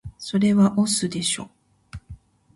それは押忍でしょ